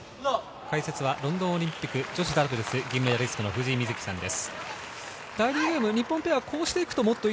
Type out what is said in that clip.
解説はロンドンオリンピック女子ダブルス銀メダリストの藤井瑞希さんです。